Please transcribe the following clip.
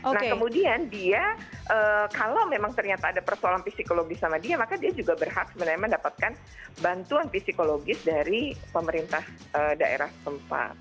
nah kemudian dia kalau memang ternyata ada persoalan psikologis sama dia maka dia juga berhak sebenarnya mendapatkan bantuan psikologis dari pemerintah daerah tempat